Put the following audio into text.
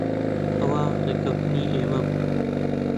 ئەوە ڕێککەوتنی ئێمە بوو.